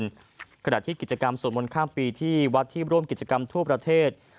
และการจัดกิจกรรมส่วดมนตร์ข้ามปีที่วัฒน์ที่ร่วมกิจกรรมทั่วประเทศ